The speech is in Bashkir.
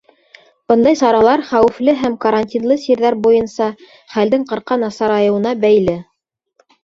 Бындай саралар хәүефле һәм карантинлы сирҙәр буйынса хәлдең ҡырҡа насарайыуына бәйле.